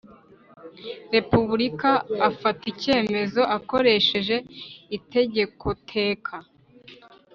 Repubulika afata icyemezo akoresheje itegekoteka